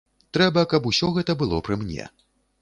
Трэба, каб усё гэта было пры мне.